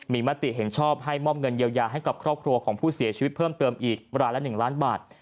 มีมติเห็นชอบให้มอบเงินเยียวยาให้กับครอบครัวของผู้เสียชีวิตเพิ่มเติมอีกรายละ๑ล้านบาท